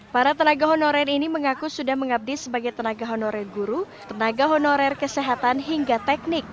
para tenaga honorer ini mengaku sudah mengabdi sebagai tenaga honorer guru tenaga honorer kesehatan hingga teknik